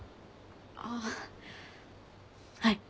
あっはい。